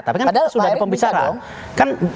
tapi kan sudah ada pembicaraan